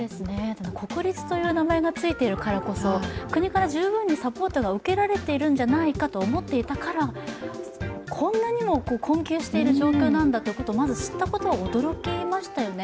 国立という名前が付いているからこそ、国から十分にサポートが受けられると思っていたからこそこんなにも困窮している状況なんだということをまず知ったことに驚きましたよね。